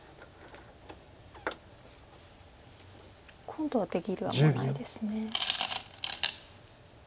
今度は出切りはもうないです。